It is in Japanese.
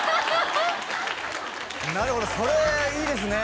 なるほどそれいいですね